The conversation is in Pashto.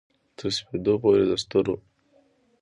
تر سپیدو پوري د ستورو